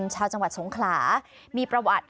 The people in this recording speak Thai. ชาวจังหวัดสงขลามีประวัติ